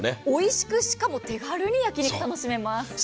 おいしく、しかも手軽に焼き肉を楽しめます。